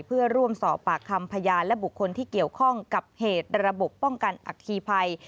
เพื่อร่วมสอบปากคำพยานและบุคคลที่เกี่ยวข้องกับเหตุระบบป้องกันอัคคีภัย